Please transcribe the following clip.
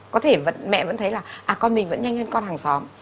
có thể mẹ vẫn thấy là con mình vẫn nhanh hơn con hàng xóm